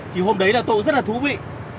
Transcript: thì hôm đấy là tôi rất là thú vị